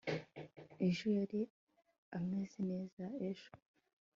ejo yari ameze neza ejo